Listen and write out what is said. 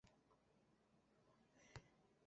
Dikearen karela apurtu da.